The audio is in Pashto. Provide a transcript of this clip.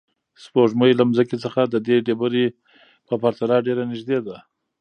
سپوږمۍ له ځمکې څخه د دې ډبرې په پرتله ډېره نږدې ده.